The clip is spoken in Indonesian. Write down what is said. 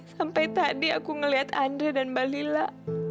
sampai tadi aku ngeliat ndre dan balila